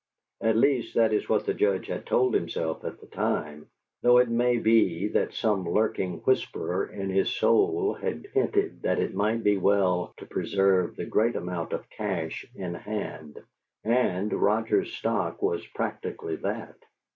At least, that is what the Judge had told himself at the time, though it may be that some lurking whisperer in his soul had hinted that it might be well to preserve the great amount of cash in hand, and Roger's stock was practically that.